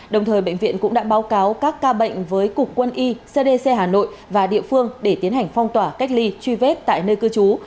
đồng thời bệnh viện cũng đã báo cáo các ca bệnh với cục quân y cdc hà nội và địa phương để tiến hành phong tỏa cách ly truy vết tại nơi cư trú